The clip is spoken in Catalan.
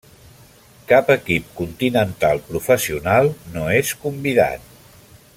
Cap equip continental professional no és convidat.